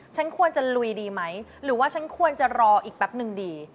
ฉันควรจะลุยดีไหมหรือว่าฉันควรจะรออีกแป๊บนึงดี